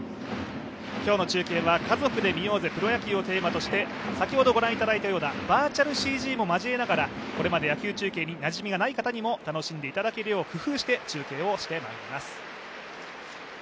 今日の中継は「家族で観ようぜプロ野球」をテーマとして先ほど御覧いただいたようなバーチャルＣＧも交えながらこれまで野球中継になじみがない方にも楽しんでいただけるよう工夫して中継をしてまいります。